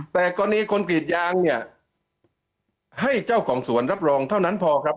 แต่กรณีคนกรีดยางเนี่ยให้เจ้าของสวนรับรองเท่านั้นพอครับ